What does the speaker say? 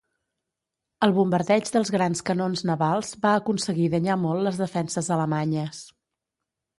El bombardeig dels grans canons navals va aconseguir danyar molt les defenses alemanyes.